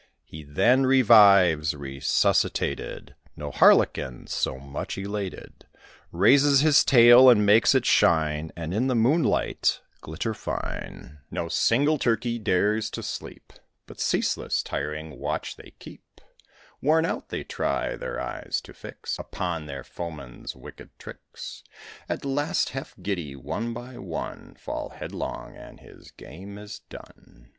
He then revives, resuscitated: No harlequin so much elated: Raises his tail, and makes it shine, And in the moonlight glitter fine. No single Turkey dares to sleep, But ceaseless, tiring watch they keep. Worn out, they try their eyes to fix Upon their foeman's wicked tricks; At last, half giddy, one by one Fall headlong, and his game is done.